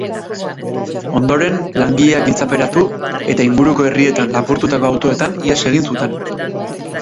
Ondoren, langileak giltzaperatu eta inguruko herrietan lapurtutako autoetan ihes egiten zuten.